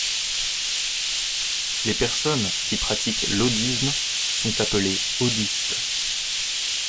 Les personnes qui pratiquent l'audisme sont appelés audistes.